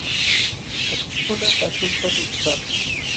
Kapishkuna paśhuntam mikupaakun.